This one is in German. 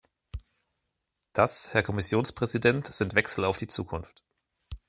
Das, Herr Kommissionspräsident, sind Wechsel auf die Zukunft.